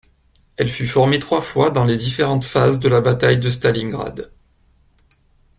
Elle fut formée trois fois dans les différentes phases de la bataille de Stalingrad.